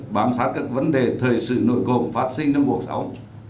bám sát các vấn đề thời sự nội gồm phát sinh trong cuộc sống